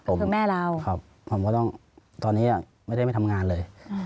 ตะวะนี่ไม่ได้ไม่ทำงานเลย